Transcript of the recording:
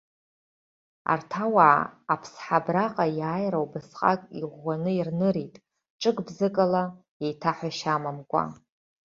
Арҭ ауаа аԥсҳа абраҟа иааира убасҟак иӷәӷәаны ирнырит, ҿык-бзыкала еиҭаҳәашьа амамкәа.